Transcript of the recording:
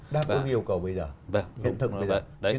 đã có hiệu cầu bây giờ